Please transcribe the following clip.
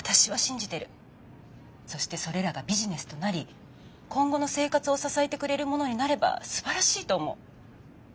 そしてそれらがビジネスとなり今後の生活を支えてくれるものになればすばらしいと思う。